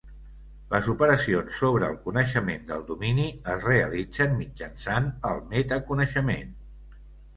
Les operacions sobre el coneixement del domini es realitzen mitjançant el metaconeixement.